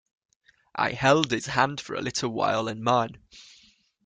I held his hand for a little while in mine.